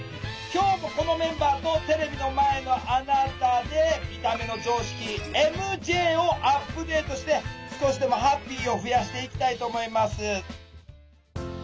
今日もこのメンバーとテレビの前のあなたで「見た目の常識ＭＪ」をアップデートして少しでもハッピーを増やしていきたいと思います。